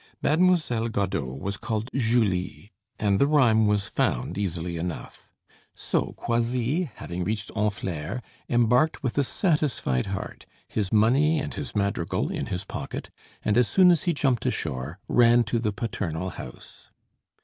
Mademoiselle Godeau was called Julie, and the rhyme was found easily enough. So Croisilles, having reached Honfleur, embarked with a satisfied heart, his money and his madrigal in his pocket, and as soon as he jumped ashore ran to the paternal house.